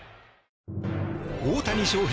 大谷翔平